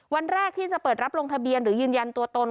วันแรกที่จะเปิดรับลงทะเบียนหรือยืนยันตัวตน